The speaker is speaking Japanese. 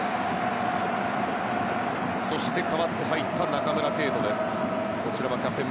そして代わって入った中村敬斗です。